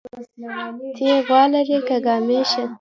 تى غوا لرى كه ګامېښې؟